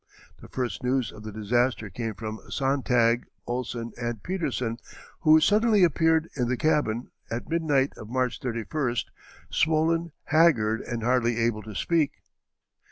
The first news of the disaster came from Sontag, Ohlsen, and Petersen, who suddenly appeared in the cabin, at midnight of March 31st, swollen, haggard, and hardly able to speak.